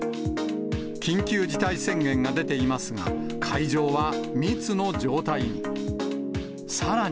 緊急事態宣言が出ていますが、会場は密の状態に。